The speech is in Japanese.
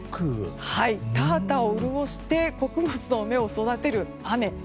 田畑を潤して穀物の芽を育てる雨。